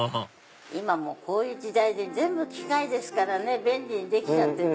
今こういう時代で全部機械で便利にできちゃってて。